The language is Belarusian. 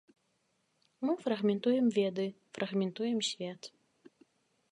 Мы фрагментуем веды, фрагментуем свет.